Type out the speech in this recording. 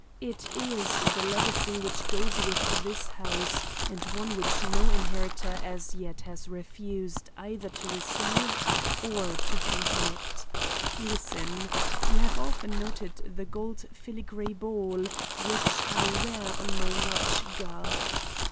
It is the legacy which goes with this house and one which no inheritor as yet has refused either to receive or to transmit. Listen. You have often noted the gold filigree ball which I wear on my watch guard.